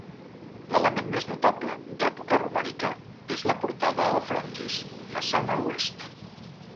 L'element més notable d'època romànica és la portada al frontis, façana oest.